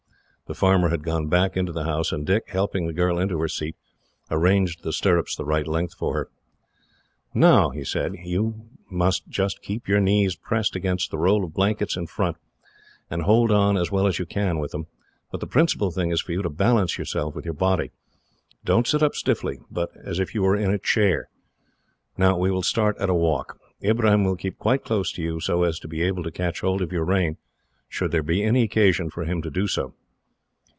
The farmer had gone back into the house, and Dick, helping the girl into her seat, arranged the stirrups the right length for her. "Now," he said, "you must keep your knees pressed against the roll of blankets in front, and hold on as well as you can with them; but the principal thing is for you to balance yourself with your body. Don't sit up stiffly, but as if you were in a chair. "Now, we will start at a walk. Ibrahim will keep quite close to you, so as to be able to catch hold of your rein, should there be any occasion for him to do so."